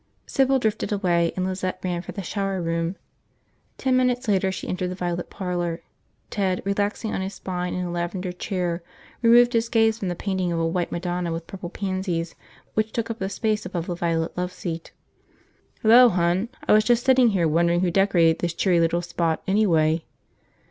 Sybil drifted away and Lizette ran for the shower room. Ten minutes later she entered the violet parlor. Ted, relaxing on his spine in a lavender chair, removed his gaze from the painting of a white madonna with purple pansies which took up the space above the violet love seat. "Hello, hon. I was just sitting here wondering who decorated this cheery little spot, anyway."